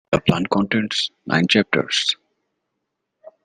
The Plan contains nine chapters.